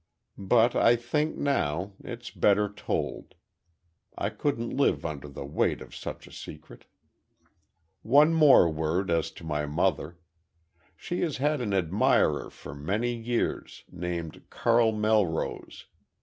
But I think now, it's better told. I couldn't live under the weight of such a secret. "One more word as to my mother. She has had an admirer for many years, named Carl Melrose.